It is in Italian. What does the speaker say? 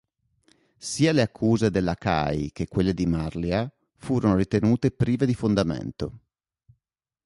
Sia le accuse della Cai che quelle di Marlia furono ritenute prive di fondamento.